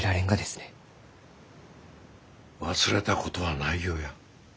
忘れたことはないよや。